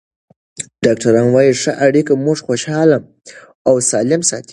ډاکټران وايي ښه اړیکې موږ خوشحاله او سالم ساتي.